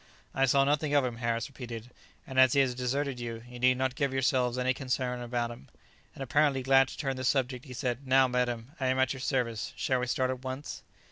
"I saw nothing of him," Harris repeated; "and as he has deserted you, you need not give yourselves any concern about him." And apparently glad to turn the subject, he said, "Now, madam, I am at your service; shall we start at once?"